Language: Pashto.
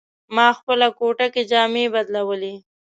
ما خپله کوټه کې جامې بدلولې.